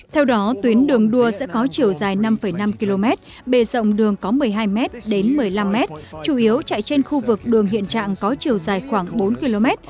theo đó tuyến đường đua sẽ có chiều dài năm năm km bề rộng đường có một mươi hai m đến một mươi năm m chủ yếu chạy trên khu vực đường hiện trạng có chiều dài khoảng bốn km